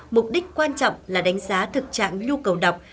mục đích quan trọng là đánh giá thực trạng nhu cầu đọc